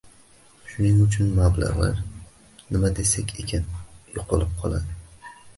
Shuning uchun mablag‘lar... nima desak ekan... yo‘qolib qoladi.